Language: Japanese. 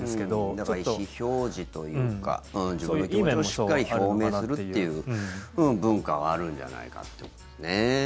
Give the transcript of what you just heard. だから、意思表示というか自分の気持ちもしっかり表明するという文化はあるんじゃないかということですね。